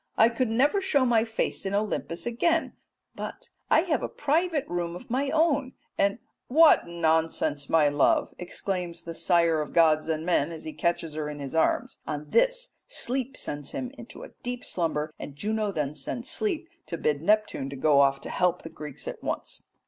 I could never show my face in Olympus again, but I have a private room of my own and" "What nonsense, my love!" exclaims the sire of gods and men as he catches her in his arms. On this Sleep sends him into a deep slumber, and Juno then sends Sleep to bid Neptune go off to help the Greeks at once.